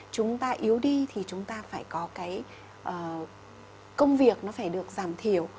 chúng ta yếu đi thì chúng ta phải có cái công việc nó phải được giảm thiểu